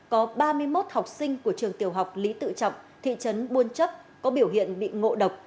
có ba mươi một học sinh của trường tiểu học lý tự trọng thị trấn buôn chấp có biểu hiện bị ngộ độc